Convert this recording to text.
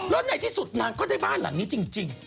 แล้วในที่สุดนางก็ได้บ้านหลังนี้จริง